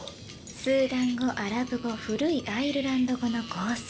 スーダン語アラブ語古いアイルランド語の合成。